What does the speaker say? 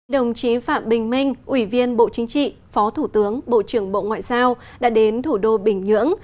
đồng chí phạm bình minh ủy viên bộ chính trị phó thủ tướng bộ trưởng bộ ngoại giao đã đến thủ đô bình nhưỡng